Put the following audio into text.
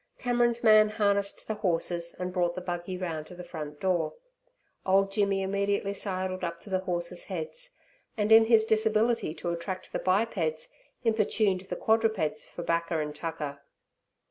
Cameron's man harnessed the horses and brought the buggy round to the front door. Old Jimmy immediately sidled up to the horses' heads, and, in his disability to attract the bipeds, importuned the quadrupeds for bacca and tucker.